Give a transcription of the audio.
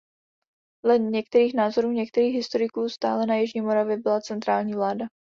Dle některých názorů některých historiků stále na jižní Moravě byla centrální vláda.